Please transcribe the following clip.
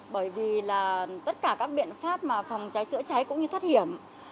bởi vì là tất cả các biện pháp mà phòng cháy chữa cháy cũng như thoát hiểm